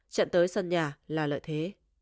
trận tới sân nhà là lợi thế